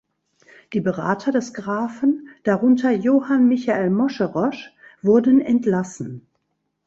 Die Berater des Grafen, darunter Johann Michael Moscherosch, wurden entlassen.